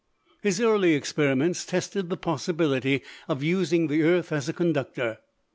His early experiments tested the possibility of using the earth as a conductor.